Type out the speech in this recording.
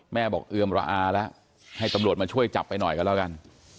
แม่บอกเอือมระอาแล้วให้ตำรวจมาช่วยจับไปหน่อยกันแล้วกัน